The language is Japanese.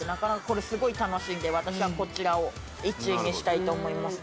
これすごい楽しいんで私はこちらを１位にしたいと思います。